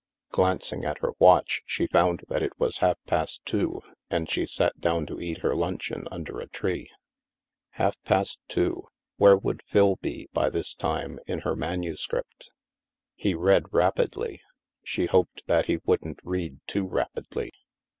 Glancing at her watch, she found that it was half past two, and she sat down to eat her luncheon under a tree. Half past two! Where would Phil be, by this time, in her manuscript? He read rapidly. She hoped that he wouldn't read too rapidly.